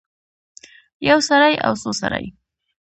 یو سړی او څو سړي